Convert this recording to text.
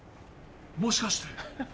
もしかして。